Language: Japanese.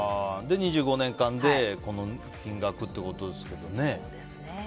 ２５年間でこの金額ってことですけどね。